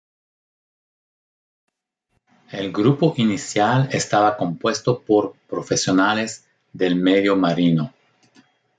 El grupo inicial estaba compuesto por profesionales del medio marino.